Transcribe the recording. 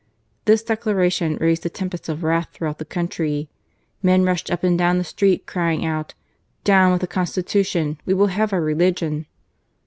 This declaration raised a tempest of wrath throughout the country, men rushed up and down the steet, crying out, " Down with the Consti tution ! We will have our Religion